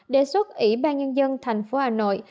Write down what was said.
đề xuất ủy ban nhân dân thành phố hà nội